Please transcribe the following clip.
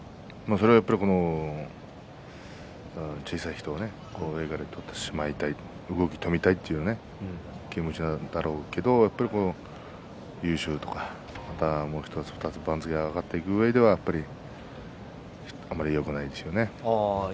小さい人は上から取ってしまいたい動きを止めたいという気持ちなんだろうけど優勝とか１つ２つ番付が上がっていくうえではあまりよくないんですよね。